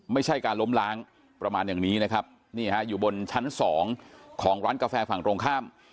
ไม่ใช่การล้มล้างประมาณอย่างนี้นะครับนี่ฮะอยู่บนชั้นสองของร้านกาแฟฝั่งตรงข้าม